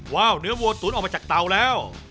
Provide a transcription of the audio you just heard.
ว้าวเนื้อโวทูนออกไปจากเตาแล้ว